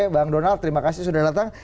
bang donald terima kasih sudah datang